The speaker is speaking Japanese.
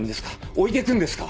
置いてくんですか？